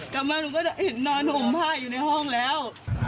กลับมาหนูก็จะเห็นนอนห่มผ้าอยู่ในห้องแล้ว